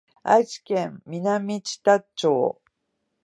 愛知県南知多町